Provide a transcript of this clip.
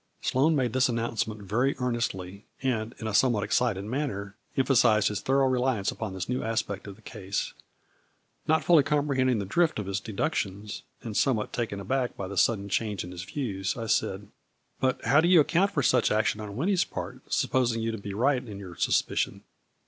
Sloane made this announcement very earn estly, and, in a somewhat excited manner, em phasized his thorough reliance upon this new aspect of the case. Not fully comprehending the drift of his deductions, and somewhat taken aback by the sudden change in his views, I said :" But how do you account for such action on Winnie's part, supposing you to be right in your suspicion